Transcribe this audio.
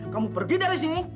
kamu pergi dari sini